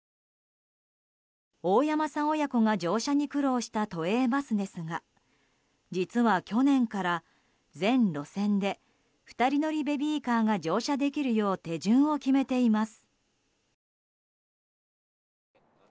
大山さん親子が乗車に苦労した都営バスですが実は、去年から全路線で２人乗りベビーカーが乗車できるよう手順を決めています。